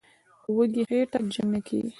"په وږي خېټه جنګ نه کېږي".